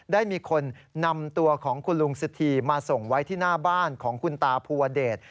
ได้มีคนนำตัวของคุณลุงสุธีมาส่งไว้ที่หน้าบ้านของคุณตาภูวเดช